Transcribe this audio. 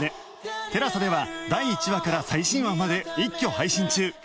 ＴＥＬＡＳＡ では第１話から最新話まで一挙配信中